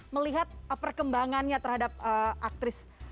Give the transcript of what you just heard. melihat perkembangannya terhadap aktris